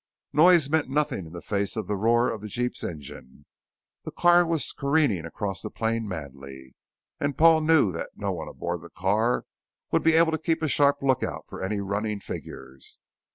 Noise meant nothing in face of the roar from the jeep's engine; the car was careening across the plain madly, and Paul knew that no one aboard the car would be able to keep a sharp lookout for any running figures.